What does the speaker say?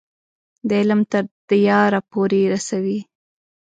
د علم تر دیاره پورې رسوي.